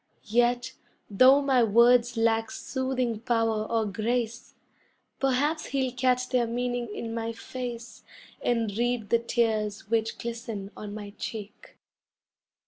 Yet though my words lack soothing power or grace, Perhaps he'll catch their meaning in my face And read the tears which glisten on my cheek.